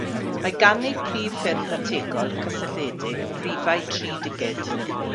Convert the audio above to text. Mae gan eu priffyrdd ategol cysylltiedig rifau tri digid.